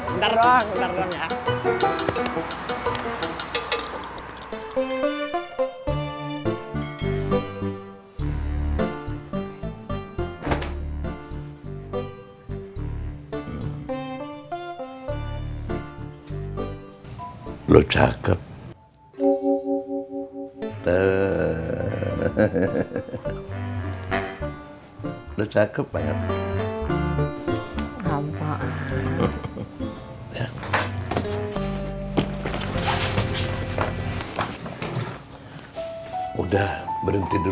bentar doang bentar doang ya